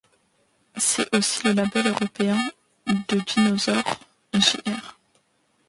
C'est aussi le label européen de Dinosaur Jr.